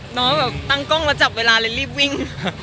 หนอมาเบาตั้งกล้องแล้วจับเวลาเร็วและรีบวิ่ง